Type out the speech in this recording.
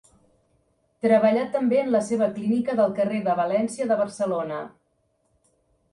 Treballà també en la seva clínica del carrer de València de Barcelona.